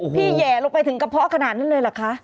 แห่ลงไปถึงกระเพาะขนาดนั้นเลยเหรอคะ